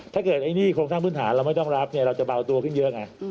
ถ้าเกิดนี่โคลงสร้างพื้นฐานเราไม่ต้องรับเราจะเบาตัวขึ้นเยอะค่ะ